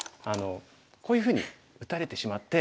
こういうふうに打たれてしまって。